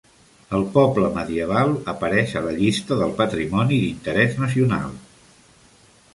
El poble medieval apareix a la llista del patrimoni d'interès nacional.